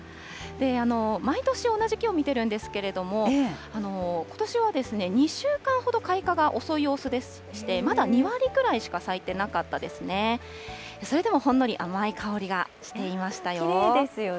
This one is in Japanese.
毎年同じ木を見ているんですけれども、ことしは２週間ほど開花が遅い様子でして、まだ２割くらいしか咲いてなかったですね。